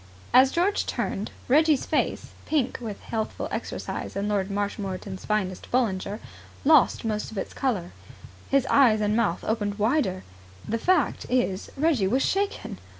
As George turned, Reggie's pleasant face, pink with healthful exercise and Lord Marshmoreton's finest Bollinger, lost most of its colour. His eyes and mouth opened wider. The fact is Reggie was shaken.